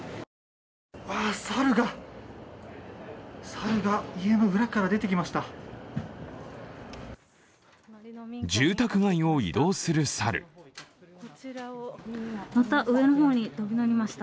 猿が家の裏から出てきました。